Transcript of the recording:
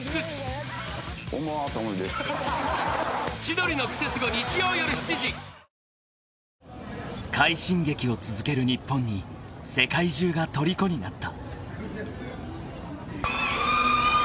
夏が香るアイスティー［快進撃を続ける日本に世界中がとりこになった］